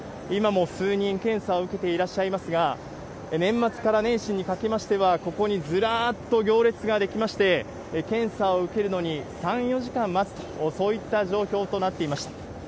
今も数人、検査を受けていらっしゃいますが、年末から年始にかけましては、ここにずらーっと行列が出来まして、検査を受けるのに３、４時間待つと、そういった状況となっていました。